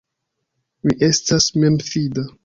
Mi estas memfida.